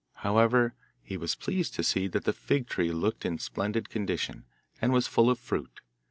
However, he was pleased to see that the fig tree looked in splendid condition, and was full of fruit.